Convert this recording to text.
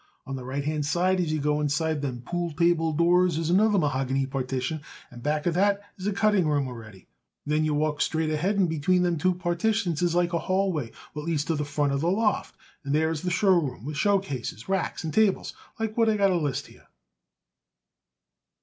On the right hand side as you go inside them pool table doors is another mahogany partition, and back of that is the cutting room already. Then you walk right straight ahead, and between them two partitions is like a hall way, what leads to the front of the loft, and there is the show room with showcases, racks and tables like what I got it a list here."